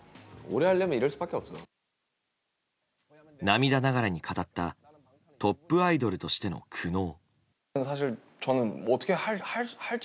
涙ながらに語ったトップアイドルとしての苦悩。